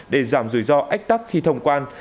để giảm rủi ro ách tắc khi thông quan